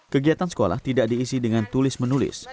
kegiatan sekolah tidak diisi dengan tulis menulis